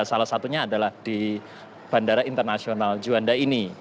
salah satunya adalah di bandara internasional juanda ini